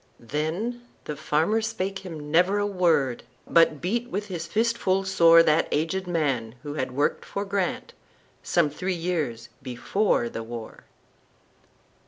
Then the farmer spake him never a word, But beat with his fist full soreThat aged man, who had worked for GrantSome three years before the war.